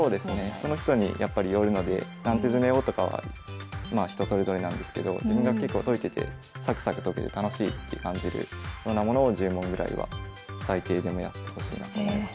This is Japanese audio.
その人にやっぱりよるので何手詰めをとかはまあ人それぞれなんですけど自分が結構解いててさくさく解けて楽しいって感じるようなものを１０問ぐらいは最低でもやってほしいなと思います。